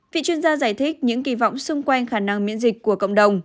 vị chuyên gia giải thích những kỳ vọng xung quanh khả năng miễn dịch của cộng đồng